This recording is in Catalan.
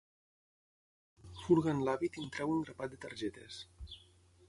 Furga en l'hàbit i en treu un grapat de targetes.